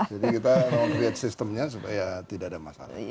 jadi kita rogret sistemnya supaya tidak ada masalah